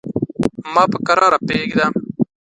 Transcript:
ما په کراره پرېږده.